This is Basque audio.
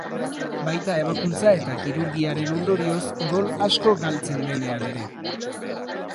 Baita ebakuntza eta kirurgiaren ondorioz odol asko galtzen denean ere.